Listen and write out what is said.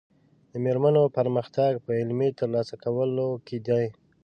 د مېرمنو پرمختګ په علمي ترلاسه کولو کې دی.